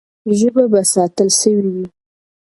ژبه به ساتل سوې وي.